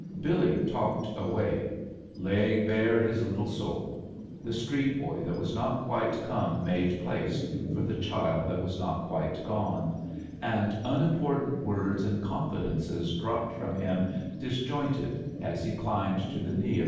BfUy talked away, laying bare his little soul ; the street boy that was not quite come made place for the child that was not quite gone, and unimportant words and confidences dropped from him disjointed as he climbed to the knee of S&'.